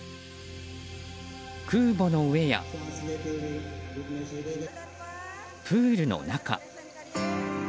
空母の上やプールの中。